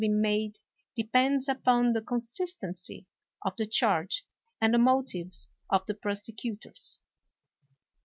154 WALPOLE made depends upon the consistency of the charge and the motives of the prosecutors.